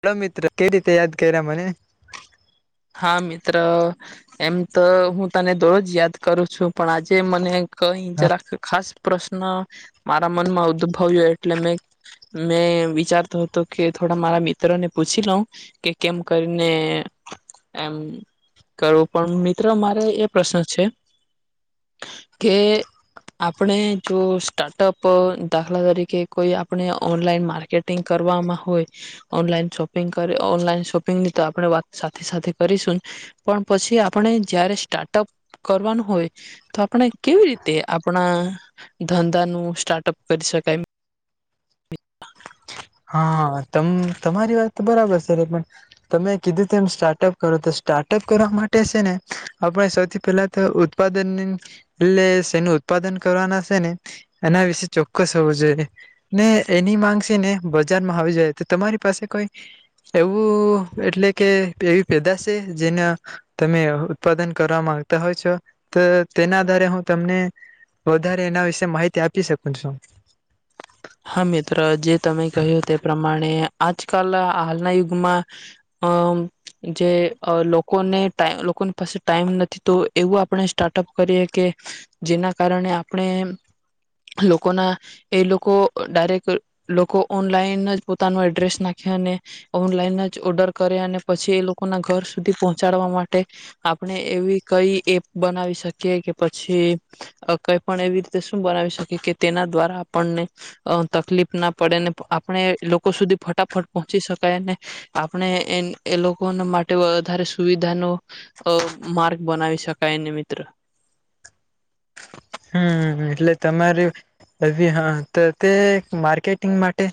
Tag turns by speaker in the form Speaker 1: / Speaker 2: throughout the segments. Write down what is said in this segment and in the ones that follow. Speaker 1: Hello મિત્ર કે રીતે યાદ કરા મને.
Speaker 2: હા મિત્ર એમ તો હું તને દર રોજ જ યાદ કરું છું પણ આજે મને કહી જ રાખ ખાસ પ્રશ્ન મારા મનમાં ઉદભવ્યો એટલે મે મેં વિચારતો હતો કે થોડા મારા મિત્રોને પૂછી લઉં કે કેમ કરીને એમ કરવું પણ મિત્ર મારે એ પ્રશ્ન છે કે આપણે જો સ્ટાર્ટઅપ દાખલા તરીકે કોઈ આપણે ઓનલાઈન માર્કેટિંગ કરવામાં હોય ઓનલાઈન શોપિંગ ઓનલાઈન શોપિંગની તો આપણે વાત સાથે સાથે કરીશું પણ પછી આપણે જયારે સ્ટાર્ટઅપ કરવાનું હોય તો આપણે કેવી રીતે આપણા ધંધાનું સ્ટાર્ટઅપ કરી શકાય.
Speaker 1: હા તમારી વાત તો બરાબર છેને પણ તમે કીધું એમ સ્ટાર્ટઅપ કરો તો સ્ટાર્ટઅપ કરવા માટે છે ને આપણે સૌથી પહેલા તો ઉત્પાદન એટલેેનું ઉત્પાદન કરવાના છે ને એના વિશે ચોક્કસ હોવું જોઈએ ને એની માંગસી ને બજાર આવી જાય તો તમારી પાસે કોઈ એવું એટલે કે એવી પેદા છે જેના તમે ઉત્પાદન કરવા માંગતા હોય છો તો તેના આધારે હું તમને વધારે એના વિશે માહિતી આપી શકું છું.
Speaker 2: હા મિત્ર જે તમે કહ્યું તે પ્રમાણે આજકાલ હાલના યુગમાં અમ જે લોકોને ટ લોકોની પાસે ટાઈમ નથી તો એવું આપણે સ્ટાર્ટઅપ કરીએ કે જેના કારણે આપણે લોકોના એ લોકો ડાયરેક્ટ લોકો ઓનલાઈન જ પોતાનો એડ્રેસ નાખે અને ઓનલાઈન જ ઓર્ડર કરે અને પછી એ લોકોના ઘર સુધી પહોંચાડવા માટે આપણે એવી કઈ એપ બનાવી શકીએ કે પછી કઈ પણ એવી રીતે શું બનાવી શકીએ કે તેના દ્વારા આપણને અ તકલીફ ના પડે ને આપણે લોકો સુધી ફટાફટ પહોંચી શકાયને આપણે એ એ લોકો માટે વધારે સુવિધાનો માર્ગ બનાવી શકાયને મિત્ર.
Speaker 1: હમ એટલે તમારી હ હા તે માર્કેટિંગ માટે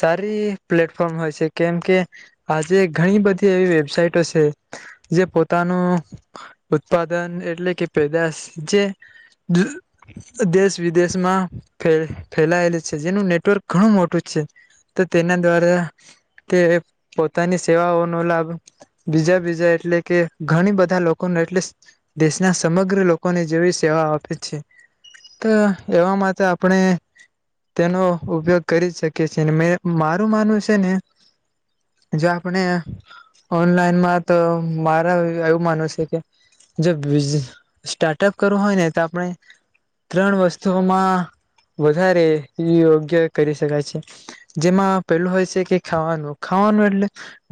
Speaker 1: સારી પ્લેટફોર્મ હોય છે કેમ કે આજે ઘણી બધી એવી વેબસાઇટો છે જે પોતાનું ઉત્પાદન એટલે કે પેદાશ જે દેશ વિદેશમાં ફે ફેલાયેલ છે જેનું નેટવર્ક ઘણું મોટું છે તો તેના દ્વારા તે પોતાની સેવાઓનો લાભ બીજા બીજા એટલે કે ઘણી બધા લોકોને એટલે દેશના સમગ્ર લોકોને જેવી સેવાઓ આપે છે. તો એવામાં તો આપણે તેનો ઉપયોગ કરી શકીએ છેીએ મે મારું માનવું છે ને જો આપણે ઓનલાઈનમાં તો મારા એવું માનવું છે કે જો સ્ટાર્ટઅપ કરવું હોય ને તો આપણે ત્રણ વસ્તુઓમાં વધારે યોગ્ય કરી શકાય છે જેમાં પેલું હોય છે કે ખાવાનું ખાવાનું એટલે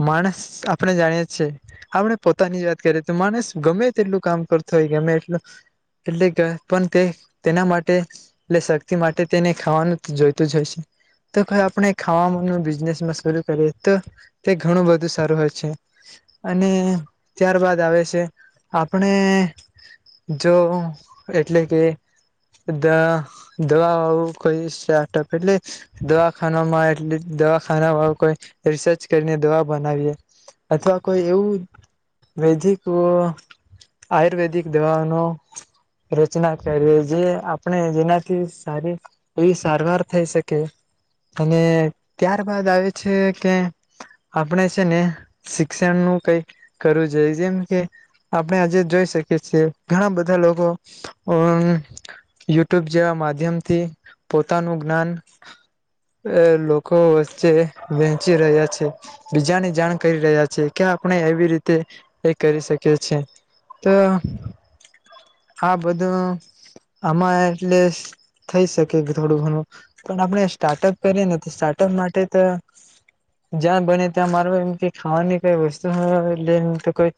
Speaker 1: માણસ આપણે જાણીએ આપણે પોતાની જ વાત કરીએ તો માણસ ગમે તેટલું કામ કરતો હોય ગમે એટ એટલે પણ તે તેના માટે એટ શક્તિ માટે તેને ખાવાનું જોઈતું જ હોય છે તો આપણે ખાનું બિઝનેસમાં શરૂ કરીએ તો તે ઘણું બધું સારું હોય છે અને ત્યારબાદ આવે છે આપણે જો એટલે કે દ દવાું કોઈ સ્ટાર્ટઅપ એટલે દવાખાનામાં એલે દવાખાનામાં કોઈ રિસર્ચ કરીને દવા બનાવીએ અથવા કોઈ એવું વૈદિક આયુર્વેદિક દવાઓનો રચના કરીએ જે આપણે જેનાથી સારી એવી સારવાર થઈ શકે અને ત્યારબાદ આવે છે કે આપણે છે ને શિક્ષણ નું કઈ કરવું જોઈ જેમ કે આપણે આજે જોઈ શકીએ છીએ ઘણા બધા લોકો અ યુટ્યુબ જેવા માધ્યમથી પોતાનું જ્ઞાન લોકો વચ્ચે વહેંચી રહ્યા છે બીજાની જાણ કરી રહ્યા છે કે આપણે એવી રીતે એ કરી શકીએ છે તો આ બધું આમાં એટલે થઈ શકે થોડું ઘણું પણ આપણે સ્ટાર્ટઅપ કરીએ ને તો સ્ટાર્ટઅપ માટે તો જ્યાં બને ત્યાં માર એમ કે ખાવાની કઈ વસ્તુ લ તો કોઈ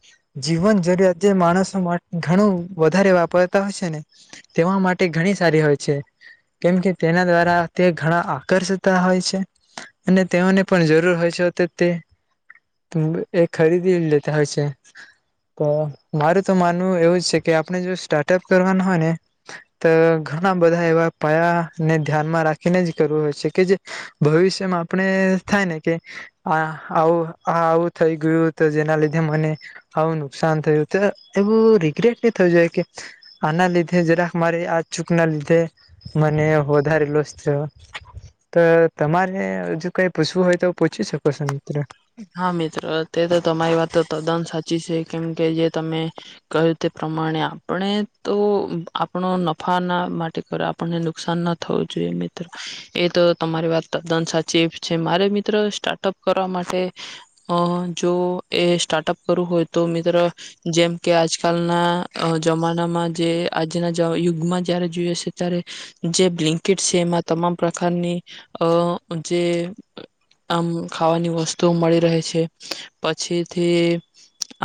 Speaker 1: જીવન જરૂિયાત જે માણસો ઘણું વધારે વાપર હોયને તેવા માટે ઘણી સારી હોય છે કેમ કે તેના દ્વારા તે ઘણા આકર્ષતા હોય છે અને તેઓને પણ જરૂર હોય છે તો તે ખરીદી લેતા હોય છે તો મારું તો માનવું એવું છે કે આપણે જો સ્ટાર્ટ સ કરવાના હોય ને તો ઘણા બધા એવા પાયાને ધ્યાનમાં રાખીને જ કરવું હોય છે કે જે ભવિષ્યમાં આપણે થાય ને કે આ આવું આ આવું થઈ ગયું તો જેના લીધે મને આવું નુકસાન થયું તો એવું રિગ્રેટ ન થું જોઈ કે. આના લીધે જરાક મારે આ ચૂક ના લીધે મને વધારે લોસ થયો તો તમારે હજ કઈ પૂછવું હોય તો પૂછી શકો છો મિત્ર.
Speaker 2: હા મિત્ર તે તો તમારી વાત તો તદ્દન સાચી છે કેમ કે જે તમે કહ્યું તે પ્રમાણે આપણે તો આપણો નફા ના માટે કરો આપણને નુકસાન ના થવું જોઈએ મિત્ર એ તો તમારી વાત તદ્દન સાચી એ છે મારે મિત્ર સ્ટાર્ટઅપ કરવા માટે જો એ સ્ટાર્ટઅપ કરવું હોય તો મિત્રો જેમ કે આજકાલના અ જમાનામાં જે આજના યુગમાં જયારે જોઈએ છે ત્યારે જે બ્લન્કેટ છે એમાં તમામ પ્રકારની અ જે આમ ખાવાની વસ્તુ. તો મળી રહે છે પછીથી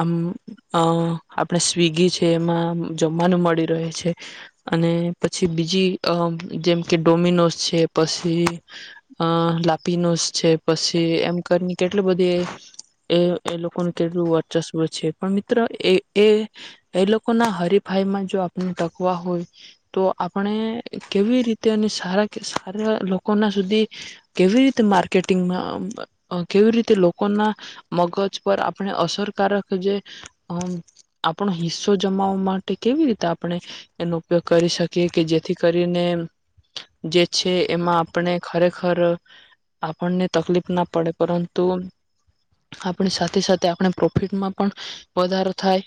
Speaker 2: આમ અ આપણે સ્વિગી છે એમાં જમવાનું મળી રહે છે અને પછી બીજી અ જેમ કે ડોમિનોસ છે પછી અ લાપિનોસ છે પછી એમ કરી કેટલી બધી એ એ લોકોનું કેટલું વર્ચસ્વ છે પણ મિત્રો એ એ એ લોકોના હરીફાઈમાં જો આપણે ટકવા હોય તો આપણે કેવી રીતે અને સારા કે સારા લોકોના સુધી કેવી રીતે માર્કેટિંગમાં કેવી રીતે લોકોના મગજ પર આપણે અસરકારક જે અ આપણો હિસ્સો જમાવવા માટે કેવી રીતે આપણે એનો ઉપયોગ કરી શકીએ કે જેથી કરીને જે છે એમાં આપણે ખરેખર આપણને તકલીફ ના પડે. પરંતુ આપણી સાથે સાથે આપણે પ્રોફિટમાં પણ વધારો થાય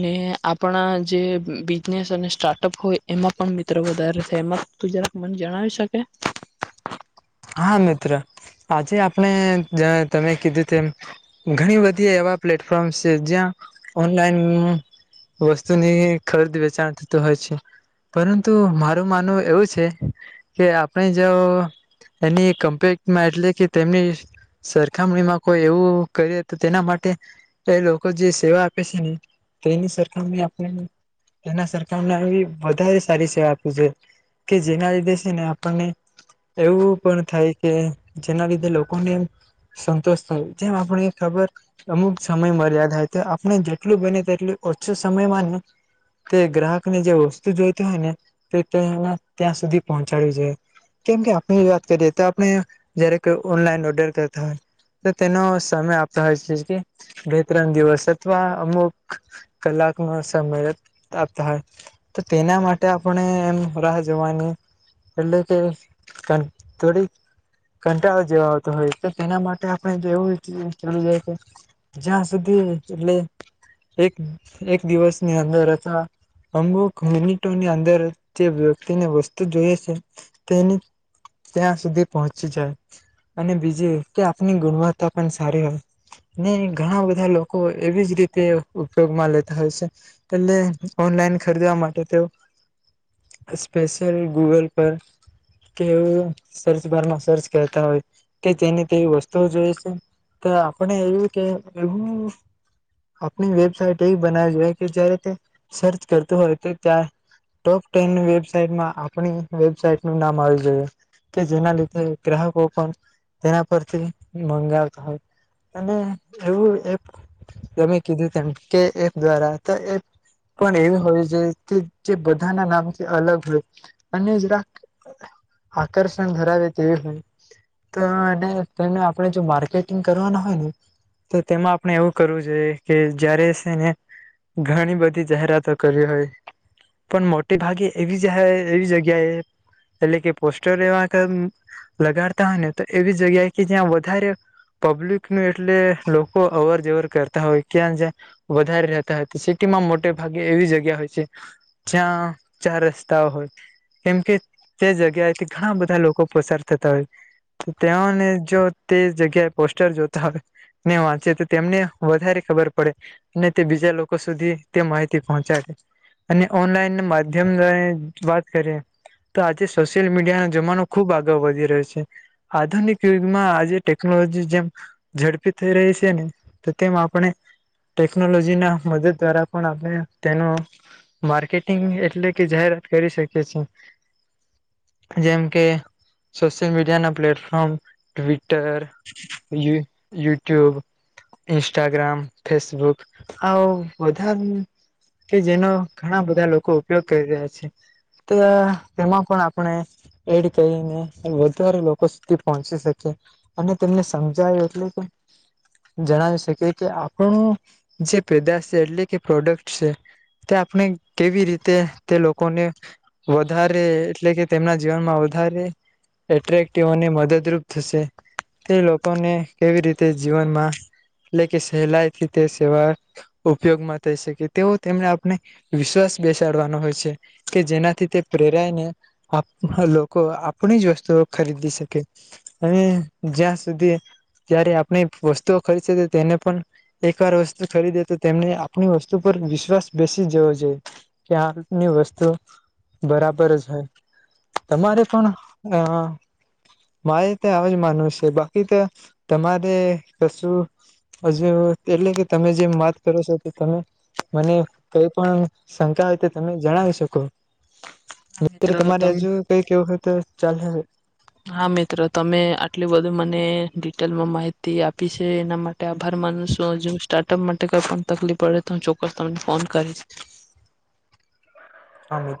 Speaker 2: ને આપણા જે બિઝનેસ અને સ્ટાર્ટઅપ હોય એમાં પણ મિત્ર વધારે થાય એમાં જરાક મને જણાવી શકે.
Speaker 1: હા મિત્ર આજે આપણે જ તમે કીધું તેમ ઘણી બધી એવા પ્લેટફોર્મ્ છે જ્યાં ઓનલાઈન વસ્તુની ખરીદ વેચાણ થતું હોય છે પરંતુ મારું માનવું એવું છે કે આપણે જો. એની કમ્પેક્ટમાં એટલે કે તેમની સરખામણીમાં કોઈ એવું કરીએ તો તેના માટે એ લોકો જે સેવા આપે છે ને તેની સરખામણી આપ તેના સરખામણી આવી વધારે સારી સેવા આપે છે કે જેના લીધે સે ને આપણને એવું થાય કે જેના લીધે લોકોને એમ સંતોષ થાય જેમ આપણે ખબર અમુક સમય મર્યાદા હોય તો આપણે જેટલું બને તેટલું ઓછો સમય માન તે ગ્રાહક ને જે વસ્તુ જોઈતી હોય ને તે તે ત્યાં સુધી પહોંચાડવી જોઈ કેમ કે આપણી વાત કરીએ તો આપણે જય્યારે ઓનલાઈન ઓર્ડર કરતા હોય તો તેનો સમય આપતા હોય જે કે બે ત્રણ દિવસ અથવા અમુક કલાકનો સમય આપતા હોય તો તેના માટે આપણે એમ રાહ જોવાની એટલે કે થોડીક કંટાળો જેવા આવતો હોય તો તેના માટે આપણે એવું ચ જાય છે જ્યાં સુધી એટલે એક એક દિવસની અંદર અથવા અમુક મિનિટોની અંદર જે વ્યક્તિને વસ્તુ જોઈ છે તેની ત્યાં સુધી પહોંચી જાય અને બીજી કે આપની ગુણવત્તા પણ સારી હોય ને ઘણા બધા લોકો એવી જ રીતે ઉપયોગમાં લેતા હોય છે એટલે ઓનલાઈન ખરીદવા માટે તે સ્પેશિયલ ગૂગલ પર કે એ સર્ચ બારમાં સર્ચ કરતા હોય કે તેની તેવી વસ્તુઓ જોઈએ છે તો આપણે એવું કે એવું આપણી વેબસાાઈટ એવી બનાવીવી જોઈએ કે જયારે તે સર્ચ કરતું હોય તો ત્યાં ટોપ ટેન વેબસાાઈટમાં આપણી વેબસાાઈટ નું નામ આવ કે જેના લીધે ગ્રાહકો પણ તેના પરથી મંગાવતા હોય અને એવું એપ તમે કીધું તેમ કે એપ દ્વારા તો એપ પણ એવી હોય છે જે બધાના નામથી અલગ હોય અને જ આર્ષણ ધરાવે તેવી હોય તો અને તેને આપણે જો માર્કેટિંગ કરવાના હોય ને તો તેમાં આપણે એવું કરવું જોઈએ કે જયારે સેને ઘણી બધી જાહેરાતો કરીવી હોય પણ મોટે ભાગે એ એવી જહાયે જગ્યાએ એટલે કે પોસ્ટર એવા કમ લગાડતા હોય ને તો એવી જગ્યા કે જ્યાં વધારે પબ્લિક ન એટલે લોકો અવર જવર કરતા હોય ક્યાં જ્યાં વધારે રહેતા હોય તો સિટીમાં મોટે ભાગે એવી જગ્યા હોય છે જ્યાં ચાર રસ્તાઓ હોય કેમ કે તે જગ્યાએ ઘણા બધા લોકો પસાર થતા હોય તો તેઓને જો તે જગ્યાએ પોસ્ટર જોતા હોય ને વાંચે તો તેમને વધારે ખબર પડે અને તે બીજા લોકો સુધી તે માહિતી પહોંચાડે અને ઓનલાઈન માધ્યમ દ્વા વાત કરીએ તો આજે સ સોશિલ મીડિયાનો જમાનો ખૂબ આગળ વધી રહ્યો છે આધુનિક યુગમાં આજે ટેકનોલોજી જેમ ઝડપી થઈ રહી છે ને તો તેમ આપણે ટેકનોલોજી ના મદદ દ્વારા પણ આપણે તેનો માર્કેટિંગ એટલે કે જાહેરાત કરી શકી છે. જેમ કે સોશિયલ મીડિયા ના પ્લેટફોર્મ તર યુટ્યુબ ઇન્સ્ટાગ્રામ ફેસબુક આવ બધા કે જેનો ઘણા બધા લોકો ઉપયોગ કરી રહ્યા છે તો તેમાં પણ આપણે એડ કરીને વધારે લોકો સુધી પહોંચી શકીએ અને તેમને સમજાવી એટલે કે જણાવી શકીએ કે આપણું જે પેદાશ છે એટલે કે પ્રોડક્ટ છે તે આપણે કેવી રીતે તે લોકોને વધારે એટલે કે તેમના જીવનમાં વધારે એટ્રેક્ટિવ અને મદદરૂપ થશે તે લોકોને કેવી રીતે જીવનમાં એટલે કે સહેલાઈથી તે સેવા ઉપયોગમાં થઈ શકે તેવો તેમને આપણે વિશ્વાસ બેસાડવાનો હોય છે કે જેનાથી તે પ્રેરાયને આપ લોકો આપણી જ વસ્તુઓ ખરીદી શકે અને જ્યાં સુધી જ્યારે આપણી વસ્તુઓ ખરીદશે તો તેને પણ એકવાર વસ્તુ ખરીદે તો તેમને આપણી વસ્તુ પર વિશ્વાસ બેસી જવો જોઈએ કે આપની વસ્તુઓ બરાબર જ હોયે તમારે પણ આ મારે તે આવે જ માનવું છે બાકી ત તમારે કશું હજુ એટલે કે તમે જેમ વાત કરો છો તો તમે મને કઈ પણ શંકા હોય તે તમે જણાવી શકો.
Speaker 2: મીત્રા
Speaker 1: કેજુ કઈ કેવું હતુ ત ચાલહે
Speaker 2: હા મિત્ર તમે આટલું બધું મને ડીટેલ માહિતી આપી છે એના માટે આભાર માનુ છું જો સ્ટાર્ટઅપ માટે કઈ પણ તકલીફ પડે તો હું ચોક્કસ તમને ફોન કરીશ.
Speaker 1: હા મિત્ર